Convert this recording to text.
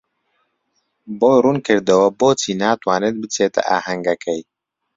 بۆی ڕوون کردەوە بۆچی ناتوانێت بچێتە ئاهەنگەکەی.